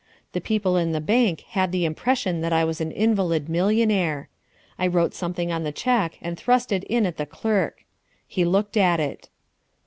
The people in the bank had the impression that I was an invalid millionaire. I wrote something on the cheque and thrust it in at the clerk. He looked at it.